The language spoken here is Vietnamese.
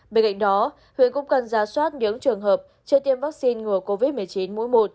bên cạnh đó huyện cũng cần ra soát những trường hợp chưa tiêm vaccine ngừa covid một mươi chín mũi một